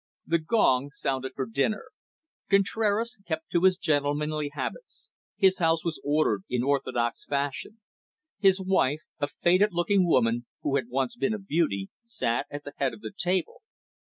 The gong sounded for dinner. Contraras kept to his gentlemanly habits; his house was ordered in orthodox fashion. His wife, a faded looking woman, who had once been a beauty, sat at the head of the table.